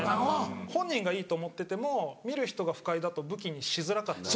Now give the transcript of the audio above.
本人がいいと思ってても見る人が不快だと武器にしづらかったり。